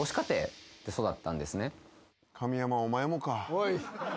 おい。